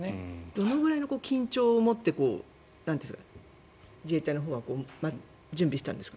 どのくらいの緊張を持って自衛隊のほうは準備したんですか？